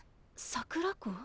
桜子？